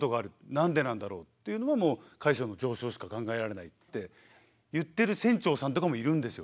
何でなんだろうというのはもう海水温の上昇しか考えられないって言ってる船長さんとかもいるんですよ